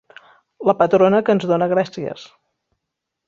La patrona que ens dóna gràcies.